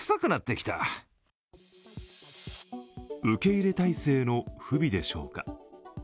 受け入れ態勢の不備でしょうか。